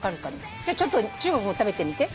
ちょっと中国も食べてみて。